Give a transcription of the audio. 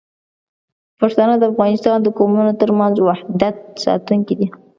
پښتانه د افغانستان د قومونو ترمنځ وحدت ساتونکي دي.